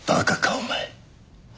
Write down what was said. お前。